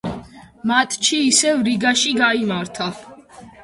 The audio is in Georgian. მატჩი ისევ რიგაში გაიმართა.